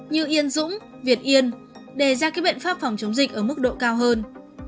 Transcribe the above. như yên dũng việt yên đề ra các biện pháp phòng chống dịch ở mức độ cao hơn